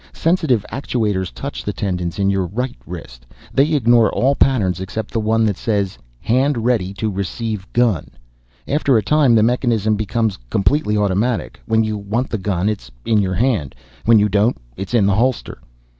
Sensitive actuators touch the tendons in your right wrist. They ignore all patterns except the one that says hand ready to receive gun. After a time the mechanism becomes completely automatic. When you want the gun it is in your hand. When you don't it is in the holster."